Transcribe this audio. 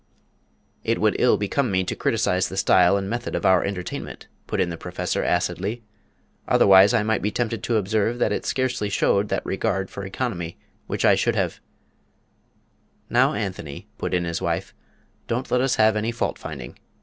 "It would ill become me to criticise the style and method of our entertainment," put in the Professor, acidly, "otherwise I might be tempted to observe that it scarcely showed that regard for economy which I should have " "Now, Anthony," put in his wife, "don't let us have any fault finding.